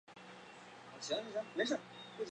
是国际法院成立以来首位华人院长。